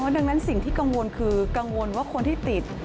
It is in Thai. ดังนั้นสิ่งที่กังวลคือกังวลว่าคนที่ติด